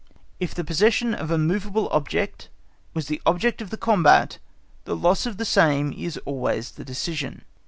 If the possession of a movable object was the object of the combat, the loss of the same is always the decision.